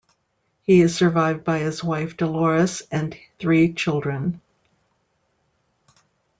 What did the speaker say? He is survived by his wife DeLores and three children.